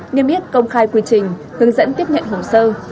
nghiêm biết công khai quy trình hướng dẫn tiếp nhận hồn sơ